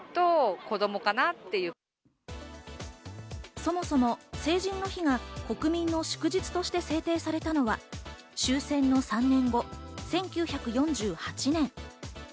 そもそも成人の日が国民の祝日として制定されたのは終戦の３年後、１９４８年。